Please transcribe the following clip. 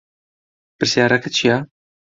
پرسیارەکە چییە؟